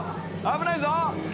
危ないぞ！